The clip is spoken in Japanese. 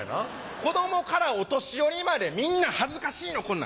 子供からお年寄りまでみんな恥ずかしいのこんなん。